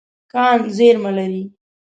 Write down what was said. کان زیرمه لري.